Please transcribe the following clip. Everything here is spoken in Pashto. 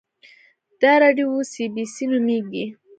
دا راډیو سي بي سي نومیږي